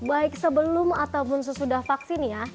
baik sebelum ataupun sesudah vaksin ya